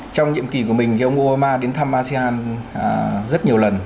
trong nhiệm kỳ của mình thì ông moma đến thăm asean rất nhiều lần